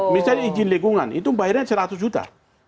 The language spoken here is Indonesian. misalnya izin lingkungan itu bayarnya seratus juta